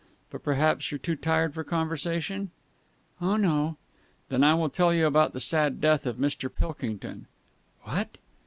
But perhaps you're too tired for conversation?" "Oh, no." "Then I will tell you about the sad death of young Mr. Pilkington." "What!"